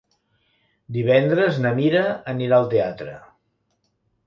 Divendres na Mira anirà al teatre.